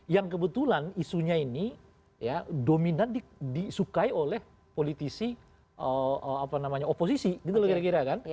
yang kebetulan isunya ini ya dominan disukai oleh politisi oposisi gitu loh kira kira kan